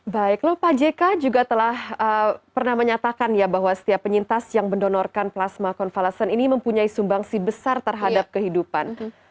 baik lho pak jk juga telah pernah menyatakan ya bahwa setiap penyintas yang mendonorkan plasma konvalesen ini mempunyai sumbangsi besar terhadap kehidupan